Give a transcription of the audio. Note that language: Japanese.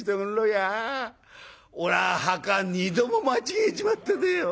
おらあ墓２度も間違えちまったでよ。